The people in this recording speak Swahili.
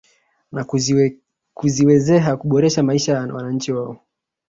Na kuziwezeha kuboresha maisha ya wananchi wao